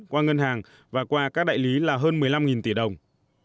qua ngân hàng và qua các đại lý là hơn một mươi năm tỷ đồng